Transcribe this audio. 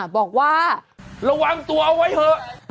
บอกว่าระวังตัวเอาไว้เถอะ